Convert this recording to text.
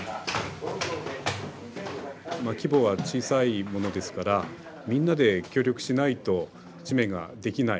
規模は小さいものですからみんなで協力しないと紙面ができない。